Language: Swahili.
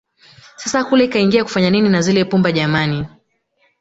Sasa kule kaingia kufanya nini na zile pumba jamani